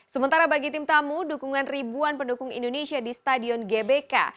sementara bagi tim tamu dukungan ribuan pendukung indonesia di stadion gbk